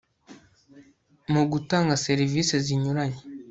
mu gutanga serivisi zinyuranye